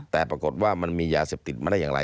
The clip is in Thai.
แต่ปรากฏว่ามันมียาเสพติดมาได้อย่างไร